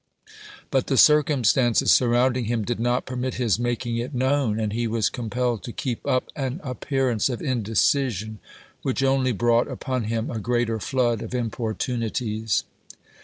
But the cir cumstances surrounding him did not pennit his making it known, and he was compelled to keep up an appearance of indecision which only brought upon him a greater flood of importunities.